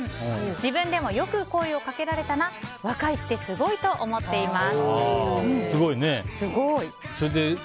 自分でもよく声をかけられたな若いってすごいと思っています。